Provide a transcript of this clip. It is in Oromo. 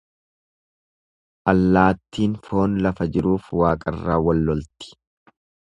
Allaattiin foon lafa jiruuf waaqarraa wal lolti.